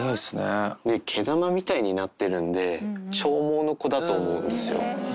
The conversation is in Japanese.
毛玉みたいになってるんで、長毛の子だと思うんですよ。